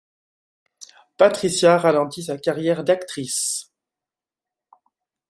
Patricia ralentit sa carrière d’actrice.